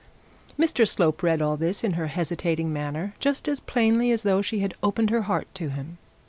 Mr Slope read all this in her hesitating manner just as plainly as though she had opened her heart to him.